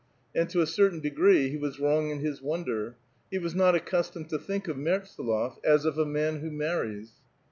And to a certain degree he was wrong in 1:1 is wonder ; he was not accustomed to think of Mertsdlof as of a man who marries.